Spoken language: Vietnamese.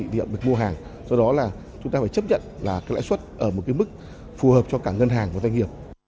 do đó là chúng ta phải chấp nhận lãi suất ở một mức phù hợp cho cả ngân hàng và doanh nghiệp